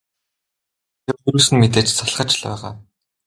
Гэхдээ өөрөөс нь мэдээж залхаж л байгаа.